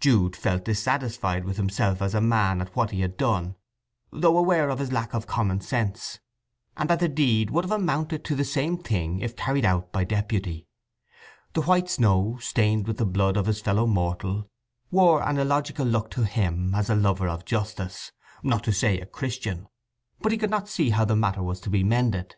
Jude felt dissatisfied with himself as a man at what he had done, though aware of his lack of common sense, and that the deed would have amounted to the same thing if carried out by deputy. The white snow, stained with the blood of his fellow mortal, wore an illogical look to him as a lover of justice, not to say a Christian; but he could not see how the matter was to be mended.